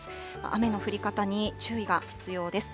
雨の降り方に注意が必要です。